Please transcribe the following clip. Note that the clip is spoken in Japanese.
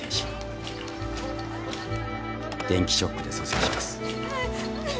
電気ショックで蘇生します。